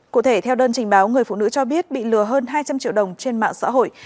cụ thể theo đơn trình báo người phụ nữ cho biết bị lừa hơn hai trăm linh triệu đồng trên mạng xã hội